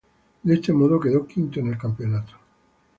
De este modo, quedó quinto en el campeonato.